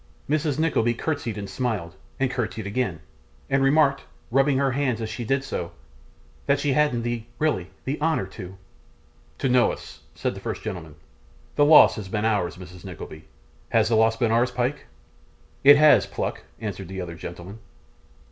Mrs. Nickleby curtseyed and smiled, and curtseyed again, and remarked, rubbing her hands as she did so, that she hadn't the really the honour to 'To know us,' said the first gentleman. 'The loss has been ours, Mrs Nickleby. Has the loss been ours, Pyke?' 'It has, Pluck,' answered the other gentleman.